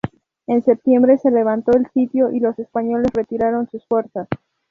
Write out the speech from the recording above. En septiembre se levantó el sitio y los españoles retiraron sus fuerzas.